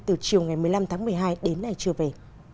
từ chiều ngày một mươi năm tháng một mươi hai đến nay chưa về